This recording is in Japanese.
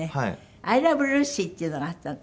『アイ・ラブ・ルーシー』っていうのがあったんですよ。